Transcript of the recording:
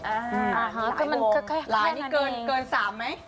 อ่ามีหลายวงเกิน๓มั้ย